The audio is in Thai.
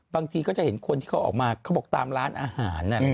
บางทีก็จะเห็นคนที่เขาออกมาเขาบอกตามร้านอาหาร